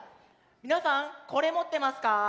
みなさんこれもってますか？